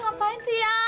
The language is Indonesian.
ngapain sih ya